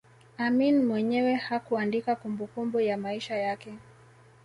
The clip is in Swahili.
Amin mwenyewe hakuandika kumbukumbu ya maisha yake